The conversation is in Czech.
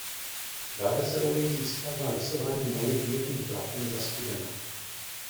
Dále se olej získává lisováním oliv mírným tlakem za studena.